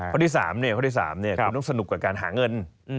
ข้อที่๓ข้อที่๓คุณต้องสนุกกับการหาเงิน